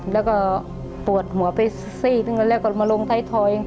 แล้วก็ปวดหัวไปซีกแล้วก็มาลงไทยทอย